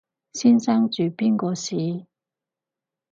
先生住邊個巿？